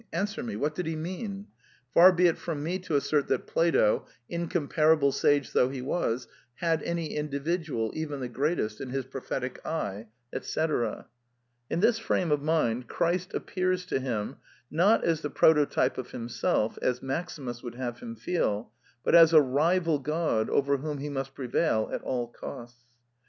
Answer me: what did he mean ? Far be it from me to assert that Plato, incom parable sage though he was, had any individual, even the greatest, in his prophetic eye," &c. In this frame of mind Christ appears to him, not as the prototype of himself, as Maximus wpuld have him feel, but as a rival god over whom he must prevail at all costs.